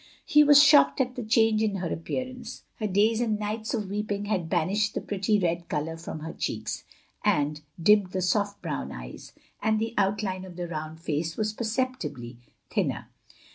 He was shocked at the change in her appearance. Her days and nights of weeping had banished the pretty red colour from her cheeks, and dimmed the soft brown eyes; and the outline of the round face was perceptibly thinner.